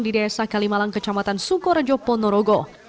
di desa kalimalang kecamatan sukorejo ponorogo